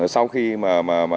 sau khi mà